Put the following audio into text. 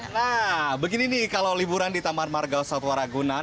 nah begini nih kalau liburan di taman marga satwa ragunan